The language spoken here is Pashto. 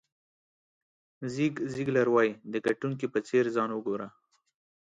زیګ زیګلر وایي د ګټونکي په څېر ځان وګوره.